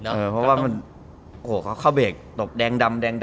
เพราะว่าเขาเข้าเบรกตกแดง